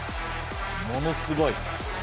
ものすごい。